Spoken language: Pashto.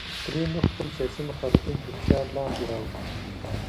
کریموف خپل سیاسي مخالفین تر فشار لاندې راوستل.